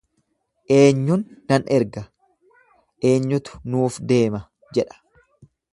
Eenyun nan erga? Eenyutu nuuf deema? jedha.